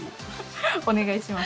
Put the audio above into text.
お願いします。